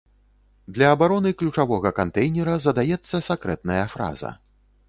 Для абароны ключавога кантэйнера задаецца сакрэтная фраза.